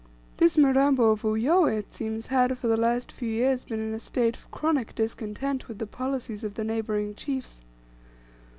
This Mirambo of Uyoweh, it seems, had for the last few years been in a state of chronic discontent with the policies of the neighbouring chiefs.